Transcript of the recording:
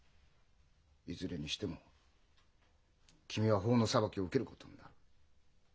いずれにしても君は法の裁きを受けることになる。